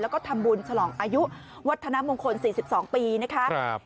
แล้วก็ทำบุญฉลองอายุวัฒนามงคล๔๒ปีนะคะ